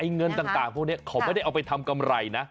เงินต่างพวกนี้เขาไม่ได้เอาไปทำกำไรนะ